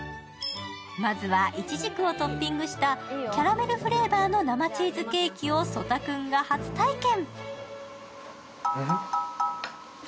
まずは、いちじくをトッピングしたキャラメルフレーバーの生チーズケーキを曽田君が初体験。